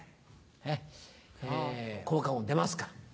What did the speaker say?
え効果音出ますから。